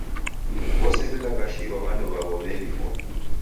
W'ose w'ilaghashiro W'andu w'aw'o w'eliw'a.